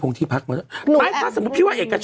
นวี